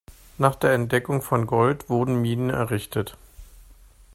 Nach der Entdeckung von Gold wurden Minen errichtet.